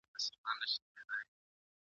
مشرانو به کارګرانو ته د کار حق ورکړی وي.